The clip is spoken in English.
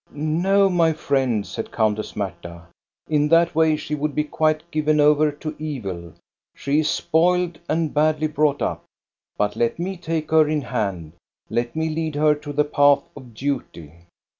" No, my friend," said Countess Marta, " in that way she would be quite given over to evil. She is spoiled and badly brought up. But let me take her in hand, let me lead her to the path of duty."